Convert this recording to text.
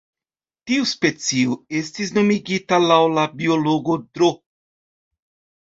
Tiu specio estis nomigita laŭ la biologo Dro.